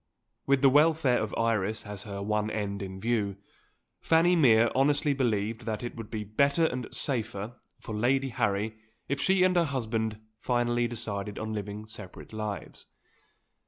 With the welfare of Iris as her one end in view, Fanny Mere honestly believed that it would be better and safer for Lady Harry if she and her husband finally decided on living separate lives.